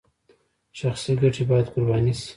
شخصي ګټې باید قرباني شي